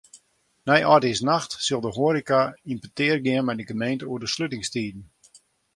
Nei âldjiersnacht sil de hoareka yn petear gean mei de gemeente oer de slutingstiden.